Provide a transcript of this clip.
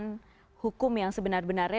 untuk menegakkan hukum yang sebenar benarnya